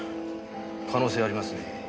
可能性はありますね。